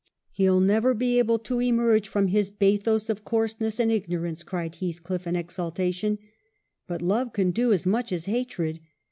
"' He'll never be able to emerge from his bathos of coarseness and ignorance,' " cried Heathcliff in exultation ; but love can do as much as hatred.